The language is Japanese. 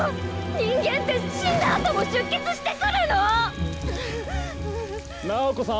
人間て死んだ後も出血してくるの⁉・楠宝子さん。